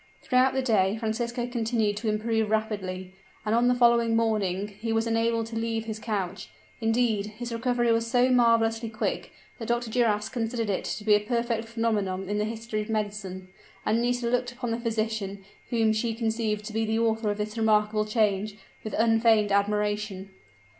Throughout the day Francisco continued to improve rapidly, and on the following morning he was enabled to leave his couch. Indeed, his recovery was so marvelously quick that Dr. Duras considered it to be a perfect phenomenon in the history of medicine; and Nisida looked upon the physician, whom she conceived to be the author of this remarkable change, with unfeigned admiration.